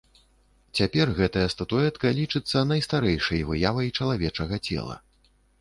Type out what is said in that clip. Цяпер гэтая статуэтка лічыцца найстарэйшай выявай чалавечага цела.